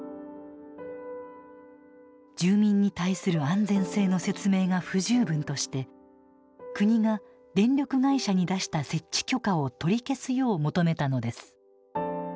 住民に対する安全性の説明が不十分として国が電力会社に出した設置許可を取り消すよう求めたのです。